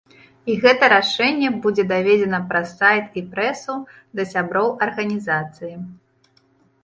І гэта рашэнне будзе даведзена праз сайт і прэсу да сяброў арганізацыі.